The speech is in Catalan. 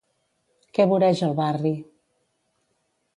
Què voreja el barri?